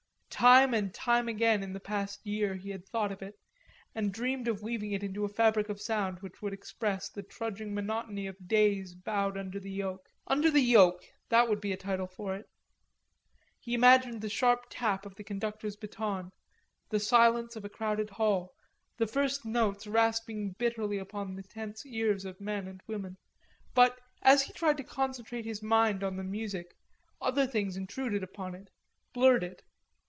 Time and time again in the past year he had thought of it, and dreamed of weaving it into a fabric of sound which would express the trudging monotony of days bowed under the yoke. "Under the Yoke"; that would be a title for it. He imagined the sharp tap of the conductor's baton, the silence of a crowded hall, the first notes rasping bitterly upon the tense ears of men and women. But as he tried to concentrate his mind on the music, other things intruded upon it, blurred it.